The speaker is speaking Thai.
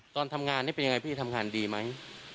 ตอนทำงานนี่เป็นยังไงพี่ทำงานดีไหม